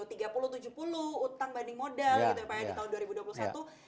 utang banding modal gitu ya pak ya di tahun dua ribu dua puluh satu